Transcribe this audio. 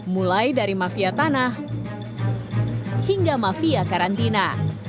mulai dari mafia tanah hingga mafia karantina